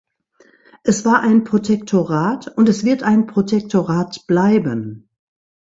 Es war ein Protektorat, und es wird ein Protektorat bleiben.